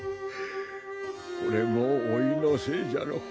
これも老いのせいじゃろう。